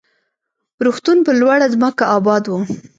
روغتون پر لوړه ځمکه اباد و.